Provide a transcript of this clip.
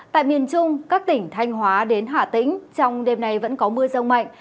tại miền trung các tỉnh thanh hóa đến hạ tĩnh trong đêm nay vẫn có mưa rông mạnh